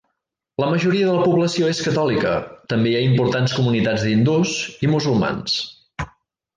La majoria de la població és catòlica, també hi ha importants comunitats d'hindús i musulmans.